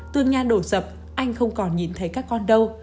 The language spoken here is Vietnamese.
tương nhan đổ dập anh không còn nhìn thấy các con đâu